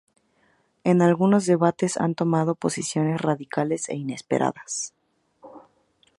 En algunos debates han tomado posiciones radicales e inesperadas.